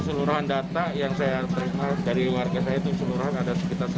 seluruhan data yang saya terima dari warga saya itu seluruhan ada sekitar satu ratus empat puluh